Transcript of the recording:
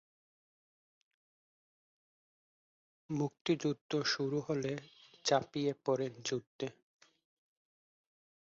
মুক্তিযুদ্ধ শুরু হলে ঝাঁপিয়ে পড়েন যুদ্ধে।